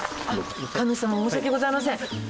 神主様申し訳ございません。